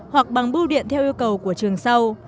hoặc bằng bưu điện theo yêu cầu của trường sau